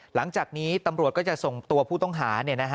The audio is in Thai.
หลังจากนี้ตำรวจก็จะส่งตัวผู้ต้องหา